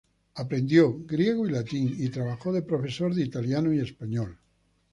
Aprendió griego y latín y trabajó de profesor de italiano y español.